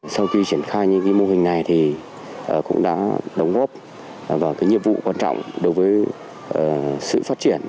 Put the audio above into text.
sau khi triển khai những mô hình này cũng đã đóng góp vào nhiệm vụ quan trọng đối với sự phát triển